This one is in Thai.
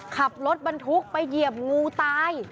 ขับรถบรรทุกไปเหยียบงูตาย